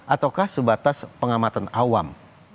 ataukah sebatas pengamatan awam